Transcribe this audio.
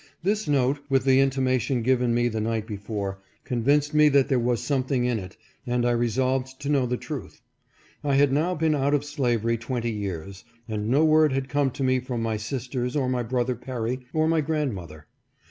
This note, with the intimation given me the night before, convinced me there was something in it, and I resolved to know the truth. I had now been out of slavery twenty years, and, no word had come to me from my sisters, or my brother Perry, or my grandmother.